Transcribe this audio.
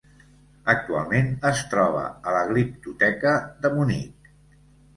Actualment es troba a la Gliptoteca de Munic.